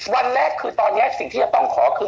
วันแรกคือตอนนี้สิ่งที่จะต้องขอคือ